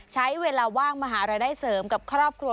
ใช้เวลาว่างมหารายได้เสริมกับครอบครัว